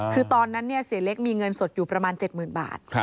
คือตอนนั้นเสียเล็กมีเงินสดอยู่ประมาณ๗๐๐บาท